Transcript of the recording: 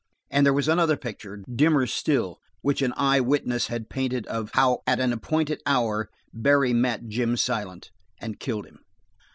And there was another picture, dimmer still, which an eye witness had painted: of how, at an appointed hour, Barry met Jim Silent and killed him.